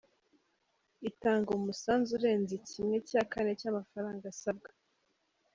Itanga umusanzu urenze kimwe cya kane cy'amafaranga asabwa.